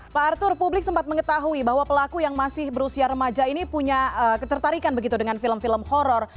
pak arthur publik sempat mengetahui bahwa pelaku yang masih berusia remaja ini punya ketertarikan begitu dengan film film horror